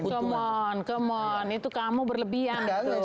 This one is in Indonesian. come on come on itu kamu berlebihan tuh